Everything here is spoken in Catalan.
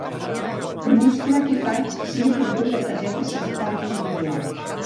Mostrar què faig si he perdut la Targeta Sanitària Individual.